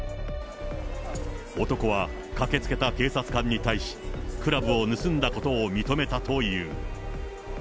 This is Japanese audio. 男は駆けつけた警察官に対し、クラブを盗んだことを認めたという。